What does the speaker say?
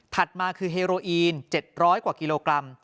มาคือเฮโรอีน๗๐๐กว่ากิโลกรัม